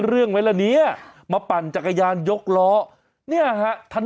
เรื่องไหมแบบนี้อะมาปั่นจักรยานยกล้อเนี้ยหาถัน